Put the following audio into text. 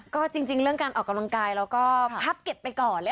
ก็จริงเรื่องการออกกำลังกายเราก็พับเก็ตไปก่อนเลย